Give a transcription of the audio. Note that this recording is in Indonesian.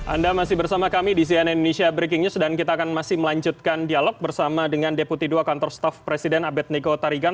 anda masih bersama kami di cnn indonesia breaking news dan kita akan masih melanjutkan dialog bersama dengan deputi dua kantor staff presiden abed niko tarigan